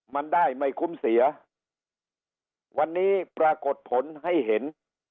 มันได้ไม่คุ้มเสียวันนี้ปรากฏผลให้เห็น